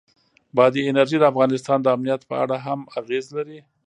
بادي انرژي د افغانستان د امنیت په اړه هم اغېز لري.